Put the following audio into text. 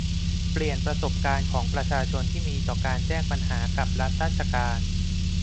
เปลี่ยนประสบการณ์ของประชาชนที่มีต่อการแจ้งปัญหากับรัฐราชการ